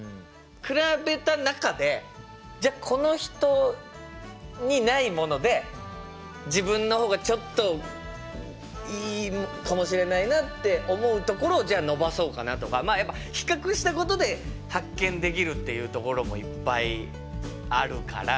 比べた中でじゃあこの人にないもので自分の方がちょっといいかもしれないなって思うところをじゃあ伸ばそうかなとかまあやっぱ比較したことで発見できるっていうところもいっぱいあるから。